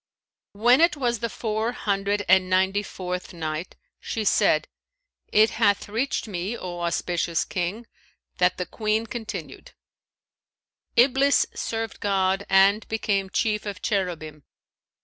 When it was the Four Hundred and Ninety fourth Night, She said, It hath reached me, O auspicious King, that the Queen continued: "'Iblis served God and became chief of Cherubim.